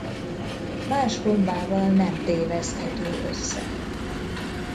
Más gombával nem téveszthető össze.